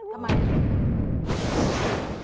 เป๋มาก